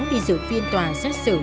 đi giữ phiên tòa xác xử